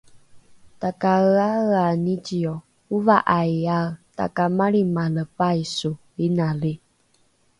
takaeaea nicio ova’aiae takamalrimale paiso inali